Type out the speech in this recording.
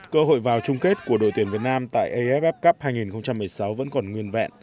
cơ hội vào chung kết của đội tuyển việt nam tại aff cup hai nghìn một mươi sáu vẫn còn nguyên vẹn